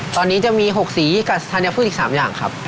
ตอนนี้จะมี๖สีกับธัญพืชอีก๓อย่างครับ